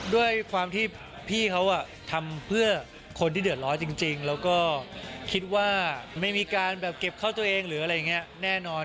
ด้วยความที่พี่เขาทำเพื่อคนที่เดือดร้อนจริงแล้วก็คิดว่าไม่มีการแบบเก็บเข้าตัวเองหรืออะไรอย่างนี้แน่นอน